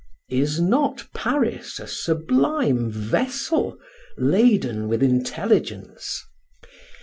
Is not Paris a sublime vessel laden with intelligence?